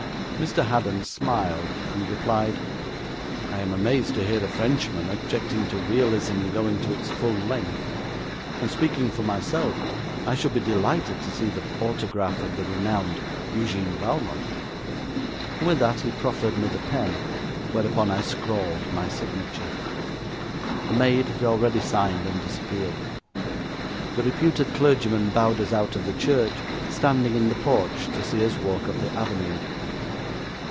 Mr. Haddon smiled, and replied: 'I am amazed to hear a Frenchman objecting to realism going to its full length, and speaking for myself, I should be delighted to see the autograph of the renowned Eugène Valmont,' and with that he proffered me the pen, whereupon I scrawled my signature. The maid had already signed, and disappeared. The reputed clergyman bowed us out of the church, standing in the porch to see us walk up the avenue.